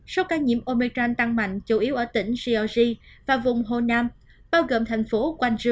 số ca nhiễm omicron tăng mạnh chủ yếu ở tỉnh seoul và vùng hồ nam bao gồm thành phố gwangju